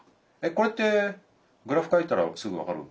これってグラフ描いたらすぐ分かる？